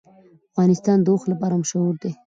افغانستان د اوښ لپاره مشهور دی.